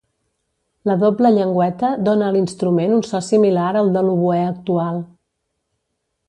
La doble llengüeta dóna a l'instrument un so similar al de l'oboè actual.